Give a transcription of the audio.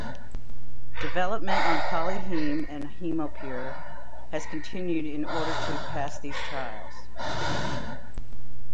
Development on PolyHeme and Hemopure, has continued in order to pass these trials.